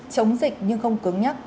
chống dịch nhưng không cứng nhắc